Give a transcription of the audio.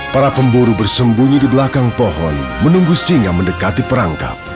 para pemburu bersembunyi di belakang pohon menunggu singa mendekati perangkap